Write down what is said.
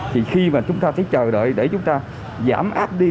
thì khi mà chúng ta thấy chờ đợi để chúng ta giảm áp đi